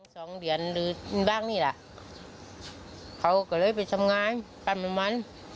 สองเดือนหรือบ้างนี่ล่ะเขาก็เลยไปทำงานกันมัน